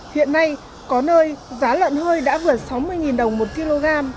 hiện nay có nơi giá lợn hơi đã vượt sáu mươi đồng một kg